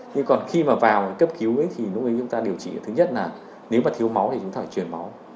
nhưng còn khi mà vào cấp cứu thì chúng ta điều trị là thứ nhất là nếu mà thiếu máu thì chúng ta phải truyền máu